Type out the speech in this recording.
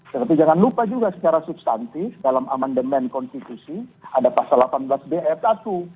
tapi jangan lupa juga secara substantif dalam amendement konstitusi ada pasal delapan belas brk dua